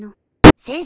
先生。